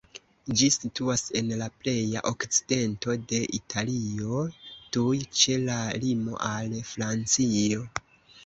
Ĝi situas en la pleja okcidento de Italio, tuj ĉe la limo al Francio.